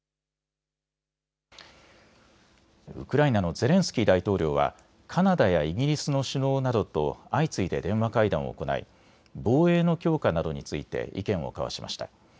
ウクライナのゼレンスキー大統領はカナダやイギリスの首脳などと相次いで電話会談を行い防衛の強化などについて意見を交わしました。